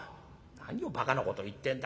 「何をばかなこと言ってんだ。